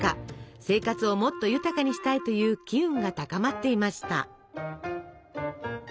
生活をもっと豊かにしたいという機運が高まっていました。